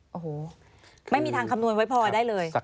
โอ้โหไม่มีทางคำนวณไว้พอได้เลย